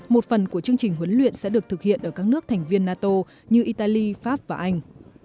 một phần của chương trình huấn luyện sẽ được thực hiện ở các nước thành viên nato như italy pháp và anh